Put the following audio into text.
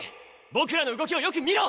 僕らの動きをよく見ろ！